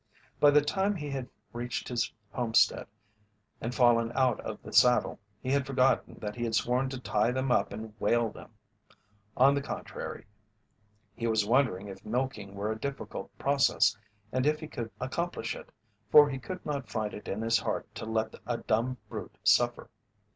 By the time he had reached his homestead and fallen out of the saddle, he had forgotten that he had sworn to tie them up and "whale" them. On the contrary, he was wondering if milking were a difficult process and if he could accomplish it, for he could not find it in his heart to let a dumb brute suffer.